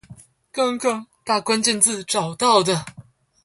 剛剛打關鍵字找到的